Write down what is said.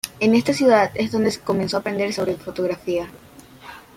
En esta ciudad es donde comenzó a aprender sobre fotografía.